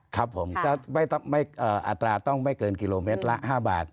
ครับผมถ้าอัตราต้องไม่เกินกิโลเมตรละ๕บาท